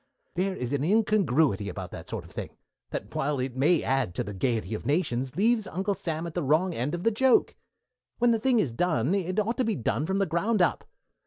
There is an incongruity about that sort of thing that, while it may add to the gaiety of nations, leaves Uncle Sam at the wrong end of the joke. When the thing is done it ought to be done from the ground up.